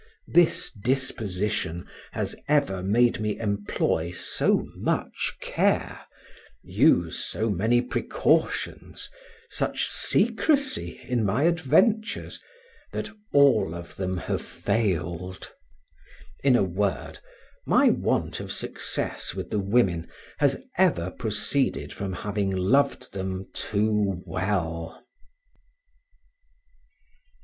This disposition has ever made me employ so much care, use so many precautions, such secrecy in my adventures, that all of them have failed; in a word, my want of success with the women has ever proceeded from having loved them too well.